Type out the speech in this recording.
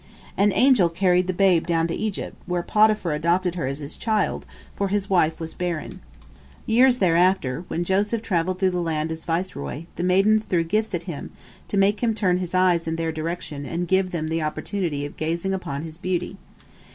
An angel carried the babe down to Egypt, where Potiphar adopted her as his child, for his wife was barren. Years thereafter, when Joseph travelled through the land as viceroy, the maidens threw gifts at him, to make him turn his eyes in their direction and give them the opportunity of gazing upon his beauty.